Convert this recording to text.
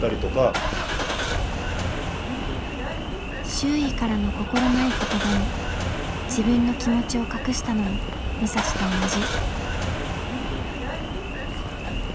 周囲からの心ない言葉に自分の気持ちを隠したのも武蔵と同じ。